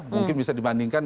mungkin bisa dibandingkan